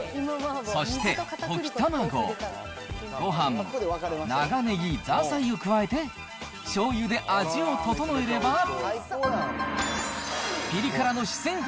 そして、溶き卵、ごはん、長ねぎ、ザーサイを加えて、しょうゆで味をととのえれば、